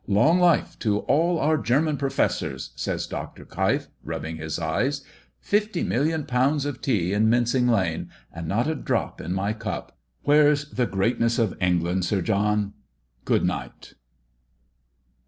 "Long life to all our German professors!" said Dr. Keif, rubbing his eyes. "50,000,000 lbs. of tea in Mincing lane, and not a drop in my cup. Where's the greatness of England, Sir John? Good night."